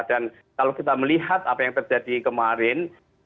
dan kalau kita melihat apa yang terjadi kemarin